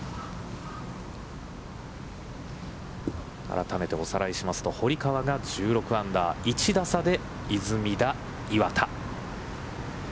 改めておさらいしますと、堀川が１６アンダー、１打差で出水田、岩田。